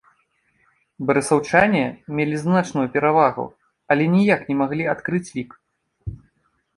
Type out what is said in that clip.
Барысаўчане мелі значную перавагу, але ніяк не маглі адкрыць лік.